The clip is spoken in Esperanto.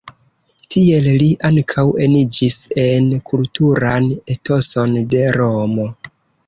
Tiel li ankaŭ eniĝis en kulturan etoson de Romo.